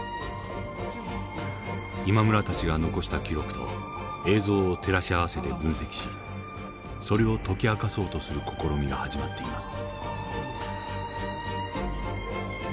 今村たちが残した記録と映像を照らし合わせて分析しそれを解き明かそうとする試みが始まっています。